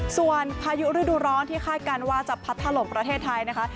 ส่วนพายุฤดูร้อนที่คาดการณ์ว่าจะพัดถล่มประเทศไทยนะคะ